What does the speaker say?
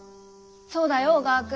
そうだよ小川君。